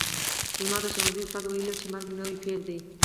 زما د ښوونځي استاد ویلي وو چې مرګ نوی پیل دی